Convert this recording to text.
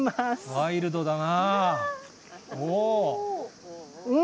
ワイルドだな。